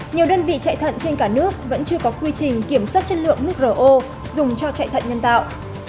nhiều đơn vị chạy thận trên cả nước vẫn chưa có quy trình kiểm soát chất lượng nước ro dùng cho chạy thận nhân tạo